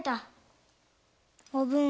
おぶん。